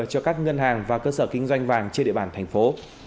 cho các ngân hàng và cơ sở kinh doanh vàng trên địa bàn thành phố